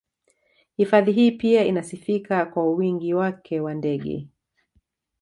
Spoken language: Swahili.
Hifadhi hii pia inasifika kwa wingi wake wa ndege